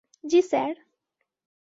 জী স্যার!